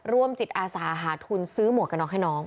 ร่วมจิตอาสาหาทุนซื้อหมวกกระน็อกให้น้อง